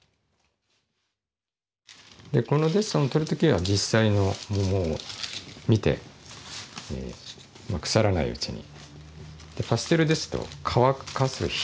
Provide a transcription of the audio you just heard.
このデッサンをとる時は実際の桃を見て腐らないうちに。